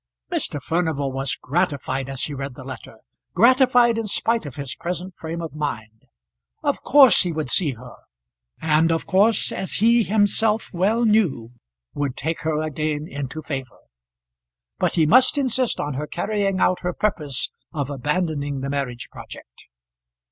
Mr. Furnival was gratified as he read the letter gratified in spite of his present frame of mind. Of course he would see her; and of course, as he himself well knew, would take her again into favour. But he must insist on her carrying out her purpose of abandoning the marriage project.